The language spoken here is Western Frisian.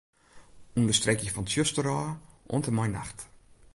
Understreekje fan 'tsjuster' ôf oant en mei 'nacht'.